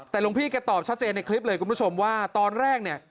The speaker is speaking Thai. แต่หลวงพี่แกตอบชัดเจนในคลิปเลยคุณผู้ชมว่าตอนแรกเนี่ย